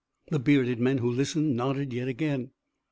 The bearded men who listened nodded yet again.